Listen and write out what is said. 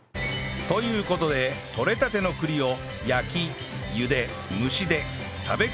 という事で取れたての栗を焼き茹で蒸しで食べ比べる事に